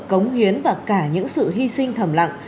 cống hiến và cả những sự hy sinh thầm lặng